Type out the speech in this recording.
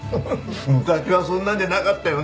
昔はそんなんじゃなかったよね。